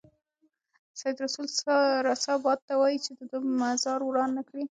سید رسول رسا باد ته وايي چې د ده مزار وران نه کړي.